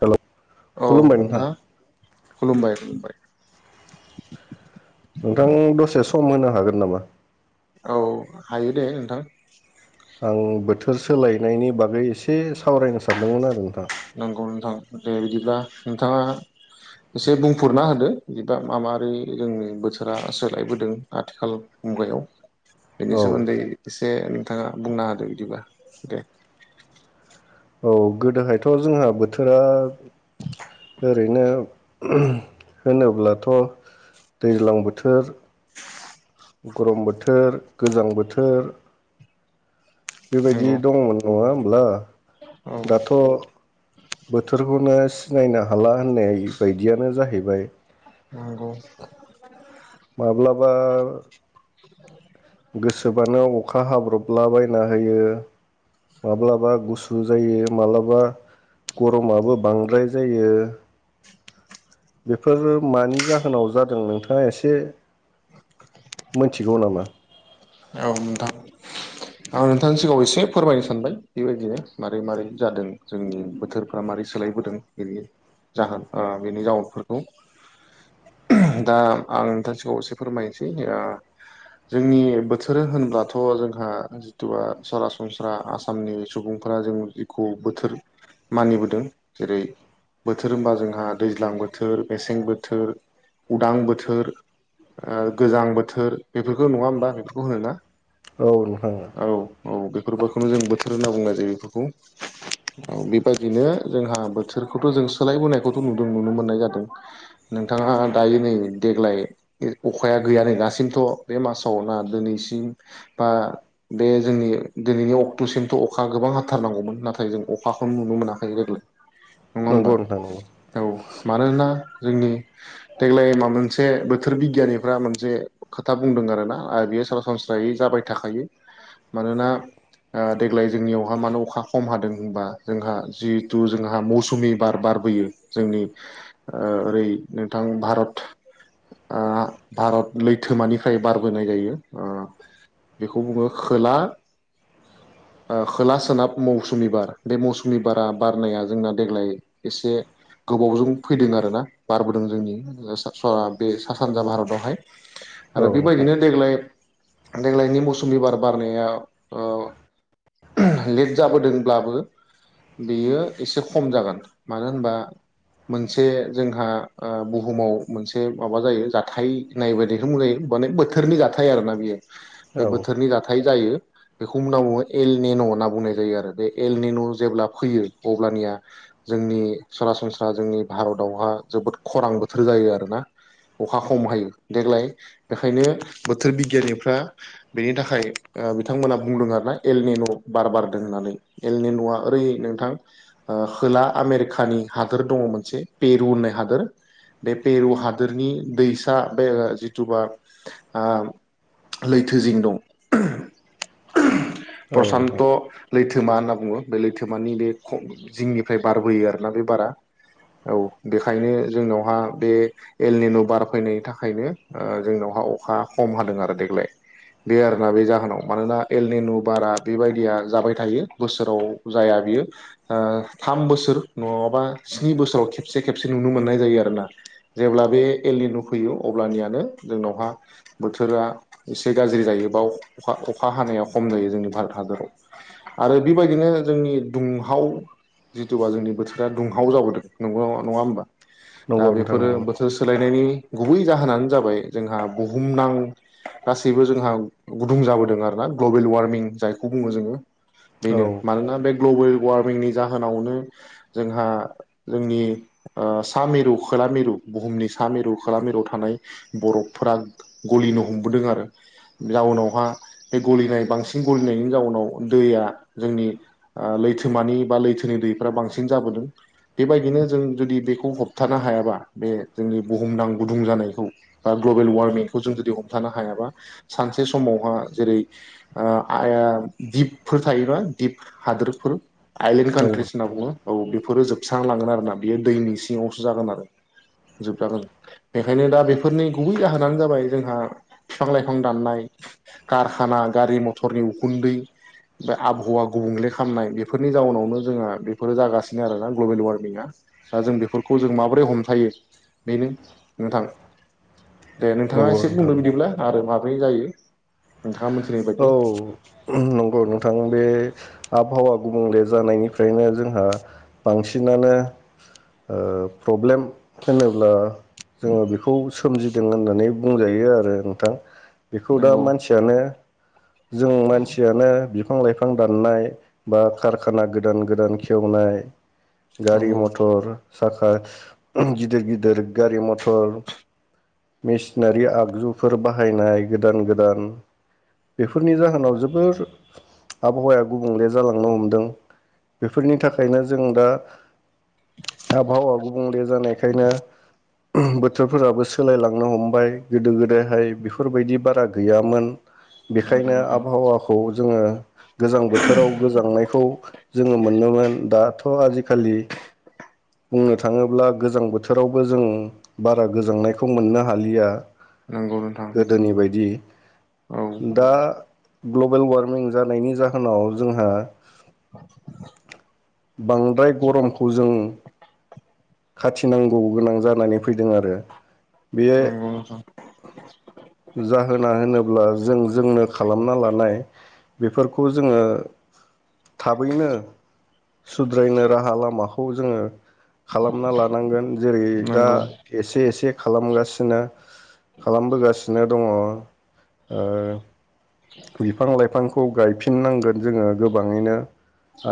Hello. खुलुमबाय नोंथां। खुलुमबाय खुलुमबाय। नोंथां दसे सम होनो हागोन नामा? औ हायो दे नोंथां। आं बोथोर सोलायनायनि बागै एसे सावरायनो सानदोंमोन आरो नोंथां। नंगौ नोंथां दे बिदिब्ला नोंथाङा एसे बुंफोरना होदो बिदा मा मारै जोंनि बोथोरा सोलायबोदों आथिखाल मुगायाव। बिनि औ सोमोन्दै इस से नोंथांङा बुंना हादो बिदिबा दे औ गोदोहायथ' जोंहा बोथोरा ओरैनो होनोब्लाथ' दैज्लां बोथोर, गरम बोथोर, गोजां बोथोर बेबायदि नंगौ दंमोन नंङा ब्ला औ दाथ' बोथोरखौनो सिनायनो हाला होननाय बायदियानो जाहैबाय। नोंगौ। माब्लाबा गोसोबानो अखा हाब्रबला बायना होयो माब्लाबा गुसु जायो मालाबा गरमाबो बांद्राय जायो। बेफोर मानि जाहोनाव जादों नोंथांङा एसे से मोनथिगौ नामा? औ नोंथां आं नोंथांनि सिगांङाव एसे फोरमायनो सानबाय बेबायदिनो मारै मारै जादों जोंनि बोथोरफ्रा मारै सोलायबोदों बेनि जाहोन ओ बेनि जाउनफोरखौ दा आं नोंथांनि सिगांङाव एसे फोरमायनोसै जोंनि बो थोर होनब्लाथ' जोंहा जिथुबा सरासनस्रा आसामनि सुबुंफोरा जों जिखौ बोथोर मानिबोदों जेरै बोथोर होनबा जोंहा दैज्लां बोथोर मेसें बोथोर उदां बोथोर ओ गोजां बोथोर बेफोरखौ नंङा होमबा? बुहो ना? औ नोंथां औ औ बेफोरफोरखौनो जों बोथोर बोथोर होनना बुंनाय जायो बेफोरखौ। औ बेबायदिनो जोंहा बोथोरखौथ' जों सोलायबोनायखौथ' नुदों नुनो मोननाय जादों। ओ नोंथांङा दायो नै देग्लाय अखाया गैया नै दासिमथ' बे मासाव ना दिनैसिम बा बे जोंनि दिनैनि अक्ट'सिमथ' अखा गोबां हाथारनांगौमोन नाथाय जों अखाखौनो नुनो मोनाखै गोरलै नंङा होमबा? नंगौ नोंथां नंगौ औ मानोना जोंनि देग्लाय मा मोनसे बोथोर बिगियानिफ्रा मोनसे खोथा बुंदों आरोना आरो बियो सरासनस्रायै जाबाय थाखायो मानोना ओ देग्लाय जोंनियावहा मानो अखा खम हादों होनबा जोंहा जिहेथु जोंहा मौसुमि बार बारबोयो जोंनि ओ ओरै नोंथां भारत आ भारत लैथोमानिफ्राय बारबोनाय जायो। आ बेखौ बुंङो खोला ओ खोला सोनाब मौसुमि बार बे मौसुमि बारा बारनाया जोंना देग्लाय एसे गोबावजों फैदों आरोना बारबोदों जोंनि सा बे सा सानजा भारतावहाय औ आरो नोंथां बेबायदिनो देग्लाय देग्लायनि मौसुमबि बार बारनाया ओ लेट जाबोदोंब्लाबो बेयो एसे खम जागोन मानो होनबा मोनसे जोंहा ओ बुहुमाव मोनसे माबा जायो जाथाय नाय बदिखौजायो माने बोथोरनि जाथाय थाय आरो ना बियो। बे औ बोथोरनि जाथा थाय जायो बेखौ उननाव बुंङो एल नेन' होन्ना बुंनाय जायो आरो बे एलनेन' जेब्ला फैयो अब्लानिया जोंनि सरासनस्रा जोंनि भारतावहा जोबोद खरां बोथोर जायो आरोना अखा खम हायो देग्लाय बेखायनो बोथोर बिगियानिफ्रा बेनि थाखाय ओ बिथांमोना बुंदों आरो ना एलनिन' बार बारदों होननानै एलनिन'आ ओरै नोंथां ओ खोला आमेरिकानि हादोर दंङ मोनसे पेरु होननाय हादोर बे पेरु हादोरनि दैसा बे ओ जिथुबा ओ लैथोजिं दं। प्रसान्त नोंथां लैथोमा होनना बुंङो बे लैथोमानि बे जिंनिफ्राय बारबोयो आरोना बे बारा औ बेखायनो जोंनावहा बे एल नेन' बार फैनायनि थाखायनो जोंनावहा अखा खम हादों आरो देग्लाय बे आरोना बे जाहोनाव मानोना एल निनु बारा बेबायदिया जाबाय थायो बोसोराव जाया बियो ओ थाम बोसोर नंङाबा स्नि बोसोराव खेबसे खेबसे नुनो मोननाय जायो आरोना। जेब्ला बे एलनिनु फैयो अब्लानियानो जोंनावहा बोथोरा एसे गाज्रि जायो बाव अखा हानाया खम जायो जोंनि भारत हादराव आरो बेबायदिनो जोंनि दुंहाव जिथुबा जोंनि बोथोरा दुंहाव जाबोदोंंगौ नंङा होमबा? दा नंगौ नोंथां बेफोरो नंगौ बोथोर सोलायनायनि गुबै जाहोनानो जाबाय जोंहा बुहुम बुहुमनां गासैबो जोंहा गुदुं जाबोदों आर ना ग्लबेल वार्मिं जायखौ बुङो जोङो। औ बेनो मानोना बे ग्लबेल वार्मिंनि जाहोनावनो जोंहा जोंनि ओ सा मिरु खोला मिरु बुहुमनि सा मिरु खोला मिरु थानाय बरफफोरा गलिनो हमबोदों आरो। जाउनावहा बे गलिनाय बांसिन गलिनायनि जाउनाव दैया जोंनि ओ लैथोमानि बा लैथोनि दैफोरा बांसिन जाबोदों। बेबायदिनो जों जुदि दैखौ होबथानो हायाबा बे जोंनि बुहुमदां गुदुं जानायखौ बा ग्लबेल वारमिं खौ जों जुदि हमथानो हायाबा सानसे समावहा जेरै ओ आइ दिपफोर थायोना दिप हादोरफोर आइलेण्ड नंगौ कन्ट्रिस होनना बुंङो। औ बेफोरो जोबस्रांलांगोन आरोना। बेयो दैनि सिङावसो जागोन आरो जोबजागोन। बेखायनो दा बेफोरनि गुबै जाहोनानो जाबाय जोंहा फिफां लाइफां दाननाय कारखाना गारि मथरनि उखुन्दै बे आबहावा गुबुंले खामनाय बेफोरनि जाउनावनो जोंहा बेफोरो जागासिनो आरोना ग्लबेल वारमिङा। दा जों बेफोरखौ जों माबोरै हमथायो बेनो नोंथां। दे नोंथाङा नंगौ एसे नोंथां बुंदो बिदिब्ला आरो माब्रै जायो नोंथाङा मोनथिनाय औ बायदि नंगौ नोंथां बे आबहावा गुबुंले जानायनिफ्रायनो जोंहा बांसिनानो ओ प्रब्लेम होनोब्ला जोङो बेखौ सोमजिदों होननानै बुंजायो आरो नोंथां। बेखौ दा नंगौ मानसियानो जों मानसियानो बिफां लाइफां दाननाय बा कारखाना गोदान गोदान खेवनाय गारि नंगौ मटर साखा गिदिर गिदिर गारि मथर मेसिनारि आगजुफोर बाहायनाय गोदान गोदान बेफोरनि जाहोनाव जोबोर आबहावाया गुबुंले जालांनो हमदों। बेफोरनि थाखायनो जों दा आबहावा गुबुंले जानायखायनो बोथोरफोराबो सोलायलांनो हमबाय गोदो गोदायहाय बेफोरबायदि बारा गैयामोन। नंगौ बेखायनो नोंथां आबहावाखौ जोङो गोजां बोथोराव गोजांनायखौ जोङो मोनोमोन। दाथ' आजिखालि [inaudible] बुंनो थांङोब्ला गोजां बोथोरावबो जों बारा गोजांनायखौ मोननो हालिया। नंगौ नोंथां गोदोनि बायदि औ दा ग्लबेल वारमिं जानायनि जाहोनाव जोंहा बांद्राय गरमखौ जों खाथि गिनांगौ गोनां जानानै फै फैदों आरो। बे नंगौ नोंथां जाहोना होनोब्ला जों नो खालामना लानाय बेफोरखौ जोंङो थाबैनो सुद्रायनो राहा लामा खौ जोंङो खालामना लानांगोन। जेरै दा नंगौ एसे एसे खालामगासिनो खालामबोगासिनो दंङ'। ओ बिफां लाइफां खौ गायफिननांगोन जोंङो गोबांयैनो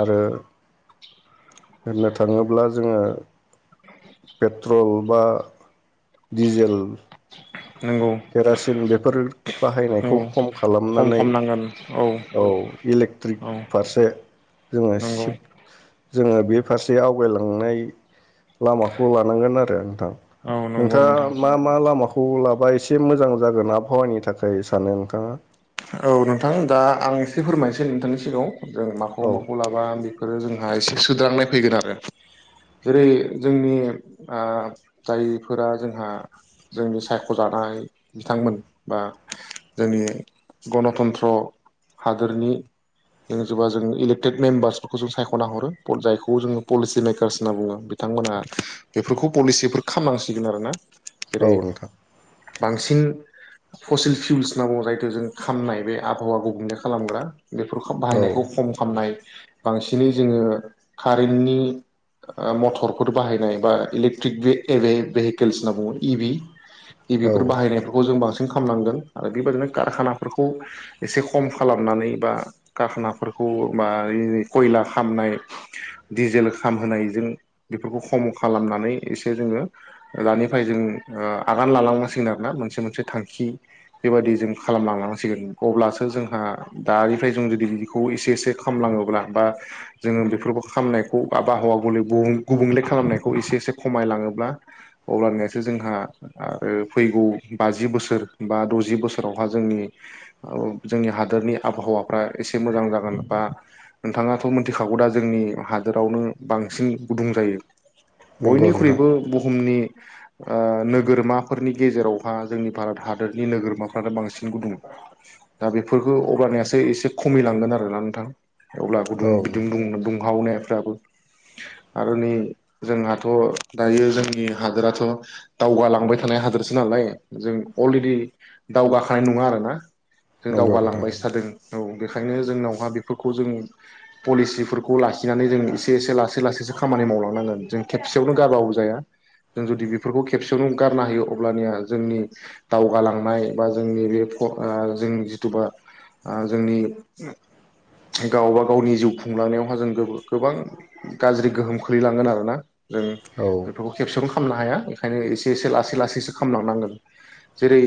आरो होननो थांङोब्ला जोंङो पेट्रल बा डिजेल नंगौ केरासिन बेफोर औ बाहायनायखौ खम खम खालामनानै खम नांगोन औ इलेक्ट्रिक औ फारसे जोंङो नंगौ सिफ जोंङो बे फारसे आवगायलांनाय लामाखौ लानांगोन आरो नोंथां। औ नंगौ नोंथांङा नोंथां मा मा लामाखौ खौ लाबा एस एसे मोजां जागोन आबहावानि थाखाय सानो नोंथांङा? औ नोंथां, दा आं एसे फोरमायनोसै नोंथांनि सिगांङाव जों माखौ औ माखौ लाबा बेफोरो जोंहा एसे सोद्रांनाय फैगोन आरो। जेरै जोंनि आ जायफोरा जोंहा जोंनि सायख'जानाय बिथांमोन बा जोंनि गनतन्त्र हादोरनि [unintelligible] जों इलेक्टेड मेम्बार्सफोरखौ जों सायख'ना हरो जायखौ जोंङो पलिसि मेकार्स होनना बुंङो। बिथांमोनहा बेफोरखौ पलिसिफोर खालामनांसिगोन आरोना। औ जेरै नोंथां बांसिन ससेल फिउल्स होनना बुङो जायखौ जों खामनाय बे आबहावा गुबुंले खालामग्रा बेफोरखौ औ बाहायनायखौ खम खामनाय बांसिनै जोङो कारेन्टनि ओ मटरफोर बाहायनाय बा इलेकट्रिक बे इलेबेहेकलस इ भि औ इबिफोर बाहायनायफोरखौ जों बांसि खालामनांगोन आरो बेबायदिनो गारखाना बेफोरखौ एसे खम खालामनानै बा गारखानाफोरखौ बा खयला खामनाय दिजेल खामहोनायजों बेफोरखौ खम खालामनानै एसे जोङो दानिफ्राय जों ओ आगान लालांनांसिगोन आरोना मोनसे मोनसे थांखि बेबादि जों खालामलांलां सिगोन। अब्लासो जोंहा दानिफ्राय जों जुदि बेखौ एसे एसे खालामलाङोब्ला बा जोङो बेफोरखौ खामनायखौ आबहावा गले गुबुंले खालामनायखौ एसे एसे खमायलाङोब्ला अब्लानियासो जोंहा आरो फैगौ बाजि बोसोर बा द'जि बोसोरावहा जोंनि औ जोंनि हादोरनि आबहावाफ्रा एसे मोजां जागोन बा नोंथाङाथ' मिथिखागौ दा जोंनि हादोरावनो बांसिन गुदुं जायो। नंगौ नोंथां बयनिख्रुइबो बुहुमनि ओ नोगोरमाफोरनि गेजेरावहा जोंनि भारत हादरनि नोगोरमाफोरानो बांसिन गुदुं। दा बेफोरखौ अब्लानियासो एसे खमिलांगोन आरोना नोंथां। अब्ला गुदुं औ बिदुं नोंथां दुं-दुंहावनो दाबो आरो नै जोंहाथ' दायो जोंनि हादोराथ' दावगालांबाय थानाय हादोरसो नालाय जों अलरेडि दावगाखानाय नङा आरो ना? जों नंगौ नोंथां दावगालांबायसो थादों औ। बेखायनो जोंनावहा बेफोरखौ जों पलिसिफोरखौ लाखिनानै जों एसे एसे लासै लासैसो खामानि मावलांनांगोन जों खेबसेयावनो गारबाबो जाया। जों जुदि बेफोरखौ खेबसेयावनो गारनो हायो अब्लानिया जोंनि दावगालांनाय बा जोंनि बे ब' ओ जों जिथुबा ओ जोंनि गावबा गावनि जिउ खुंलांनायावहा जों गोबां गाज्रि गोहोम ख्लैलाङो आरो ना जों औ बेफोरखौ खेबसेयावनो खालामनो हाया। ओंखायनो एसे एसे लासै लासैसो खालामलांनांगोन जेरै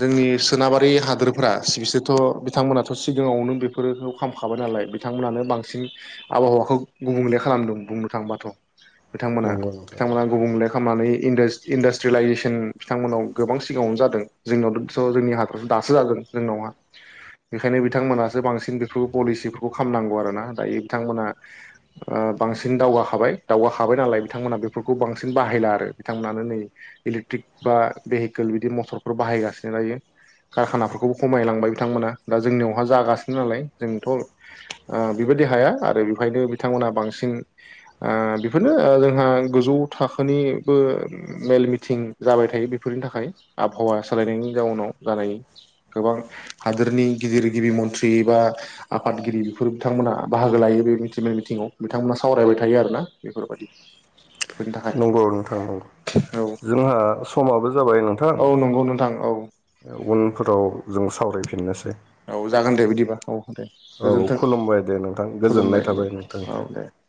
जोंनि सोनाबारि हादोरफोरा बिसोरथ' बिथांमोनाथ' सिगाङावनो बेफोरखौ खामखाबाय नालाय बिथांमोनानो बांसिन आबहावाखौ गुबुंले खालामदों बुंनो थांबाथ'। बिथांमोना नंगौ नोंथां बिथांमोना गुबुंले खालामनानै इन्डास्ट्रि इन्डास्ट्रिलाइजेसन बिथांमोनाव गोबां सिगाङावनो जादों जोंनियावथ' जोंनि हा दासो जादों जोंनावहा बेखायनो बिथांमोनासो बांसिन बे पलिसिफोरखौ खालामनांगौ आरोना दायो बिथांमोनहा ओ बांसिन दावगाखाबाय दावगाखाबाय नालाय बिथांमोनहा बेफोरखौ बांसिन बाहायला आरो बिथांमोनानो नै इलेक्ट्रिक बा भेहिकेल बिदि मथरफोर बाहायगासिनो दायो। कारखानाफोरखौबो खमायलांबाय बिथांमोना दा जोंनियावहा जागासिनो नालाय जोंथ' ओ बेबायदि हाया आरो बेहायनो बिथांमोनहा बांसिन ओ बेफोरनो जोंहा गोजौ थाखोनिबो मेल मिथिं जाबाय थायो बेफोरनि थाखाय आबहावा सालायनायनि जाउनाव जानाय। गोबां हादोरनि गिदिर गिबि मन्थ्रि बा आफादगिरि बेफोर बिथांमोना बाहागो लायो बे मिथि मेल मिथिङाव बिथांमोना सावरायबाय थायो आरोना बेफोरबायदि। बेफोरनि थाखाय नंगौ नोंथां नंगौ औ जोंहा समाबो जाबाय नोंथां औ नंगौ नोंथां औ। फोराव जों सावरायफिननोसै। औ जागोन दे बिदिबा औ। दे औ गोजोन्थों खुलुमबाय दे नोंथां गोजोननाय खुलुमबाय दे थाबाय नोंथां औ निसिम। दे उम